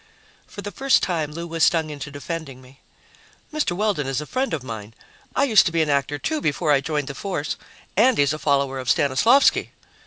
For the first time, Lou was stung into defending me. "Mr. Weldon is a friend of mine I used to be an actor, too, before I joined the force and he's a follower of Stanislavsky."